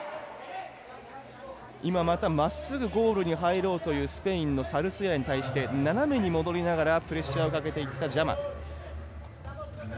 今、またまっすぐゴールに入ろうとしたスペインのサルスエラに対して、斜めに戻りながらプレッシャーをかけていった、ジャマ。